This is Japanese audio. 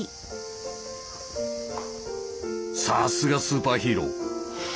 さすがスーパーヒーロー。